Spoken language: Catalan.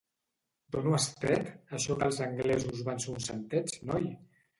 D'on ho has tret, això que els anglesos van ser uns santets, noi?